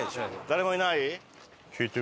誰もいない？